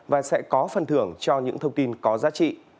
và sẽ có phần thưởng cho những thông tin có giá trị